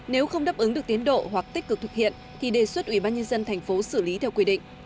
nếu không đáp ứng được tiến độ hoặc tích cực thực hiện thì đề xuất ủy ban nhân dân thành phố xử lý theo quy định